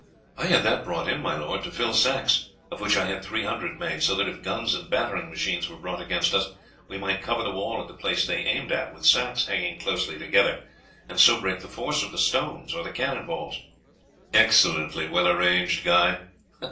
"I had that brought in, my lord, to fill sacks, of which I had three hundred made, so that if guns and battering machines were brought against us, we might cover the wall at the place they aimed at with sacks hanging closely together, and so break the force of the stones or the cannon balls." "Excellently well arranged, Guy.